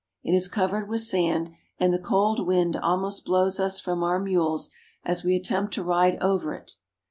It is covered with sand, and the cold wind almost blows us from our mules as we attempt to ride over it.